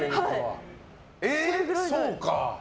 そうか。